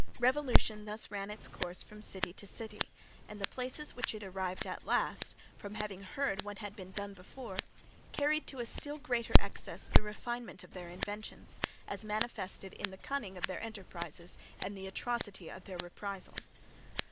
Revolution thus ran its course from city to city, and the places which it arrived at last, from having heard what had been done before, carried to a still greater excess the refinement of their inventions, as manifested in the cunning of their enterprises and the atrocity of their reprisals.